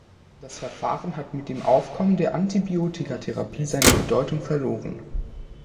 Das Verfahren hat mit dem Aufkommen der Antibiotikatherapie seine Bedeutung verloren.